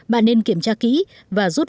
bạn nên kiểm tra kỹ và rút